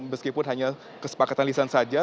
meskipun hanya kesepakatan lisan saja